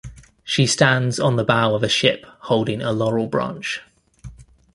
She stands on the bow of a ship holding a laurel branch.